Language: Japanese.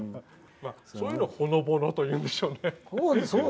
そういうのをほのぼのと言うんでしょうね。